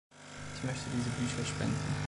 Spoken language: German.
Ich möchte diese Bücher spenden.